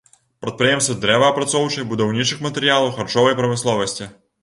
Прадпрыемствы дрэваапрацоўчай, будаўнічых матэрыялаў, харчовай прамысловасці.